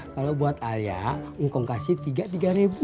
kalau buat ayah kong kasih tiga tiga ribu